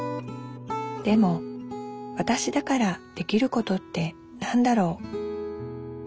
でもわたしだからできることって何だろう？